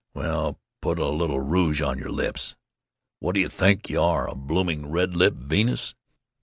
Well, put a little rouge on your lips. What d'you think you are? A blooming red lipped Venus?...